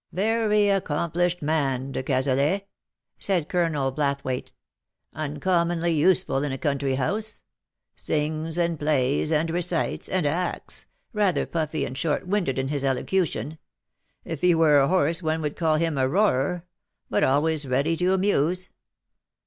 " Very accomplished man, de Cazalet/^ said Colonel Blathwayt ;^' uncommonly useful in a country house — sings, and plays, and recites, and acts — rather puffy and short winded in his elocution — if he were a horse one would call him a roarer — but always ready to amuse.